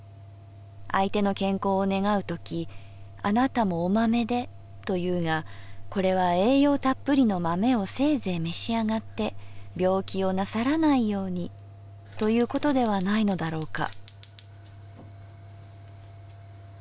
相手の健康を願うときというがこれは栄養たっぷりの豆をせいぜい召し上って病気をなさらないようにということではないのだろうか」。